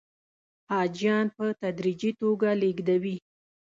حاجیان په تدریجي توګه لېږدوي.